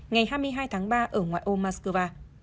ngày hai mươi hai tháng ba ở ngoại ô moscow